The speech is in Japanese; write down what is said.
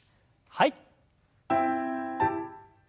はい。